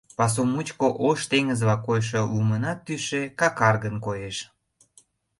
Пасу мучко ош теҥызла койшо лумынат тӱсшӧ какаргын коеш.